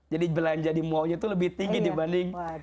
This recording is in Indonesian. jadi belanja di maulnya itu lebih tinggi dibanding